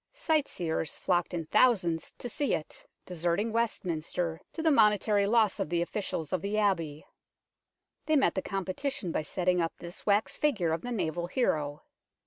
Sightseers flocked in thousansd to see it, deserting Westminster, to the monetary loss of the officials of the Abbey. They met the competition by setting up this wax figure of the naval hero.